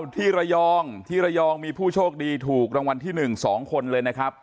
ที่ระยองที่ระยองมีผู้โชคดีถูกรางวัลที่๑๒คนเลยนะครับ